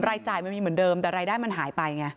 รายจ่ายมันมีเหมือนเดิมแต่รายได้มันหายไปไง